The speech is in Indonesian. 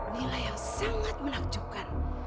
nilai yang sangat menakjubkan